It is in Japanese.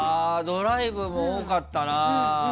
ドライブも多かったな。